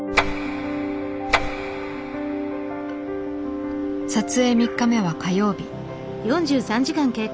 撮影３日目は火曜日。